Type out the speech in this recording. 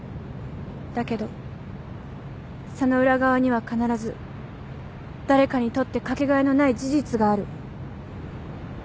だけどその裏側には必ず誰かにとってかけがえのない事実がある。